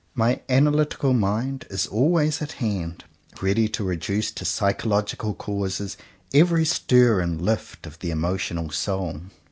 My analytic mind is always at hand, ready to reduce to physiological causes every stir and lift of the emotional soul.